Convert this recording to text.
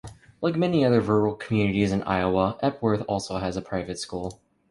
Like many other rural communities in Iowa, Epworth also has a private school.